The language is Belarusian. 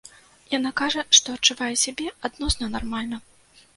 Яна кажа, што адчувае сябе адносна нармальна.